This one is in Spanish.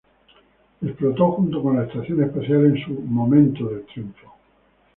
Explotó junto con la estación espacial en su "momento del triunfo".